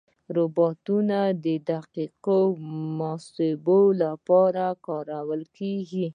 روبوټونه د دقیقو محاسبو لپاره کارېږي.